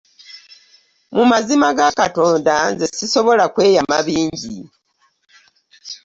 Mu mazima ga Katonda nze ssisobola kweyama bingi.